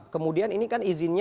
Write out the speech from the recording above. kemudian ini kan izinnya